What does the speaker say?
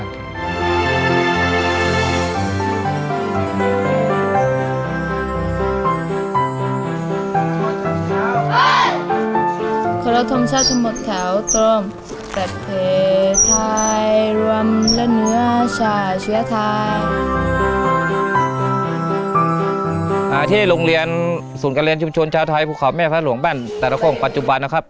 ที่โรงเรียนศูนย์การเรียนชุมชนชาวไทยภูเขาแม่พระหลวงบ้านแต่ละโค้งปัจจุบันนะครับ